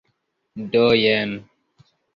Do jen.